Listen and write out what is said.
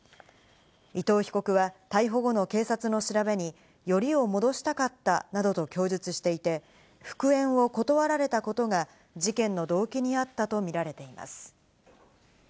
伊藤被告は逮捕後の警察の調べに、よりを戻したかったなどと供述していて、復縁を断られたことが事件の動機にあったとみられています。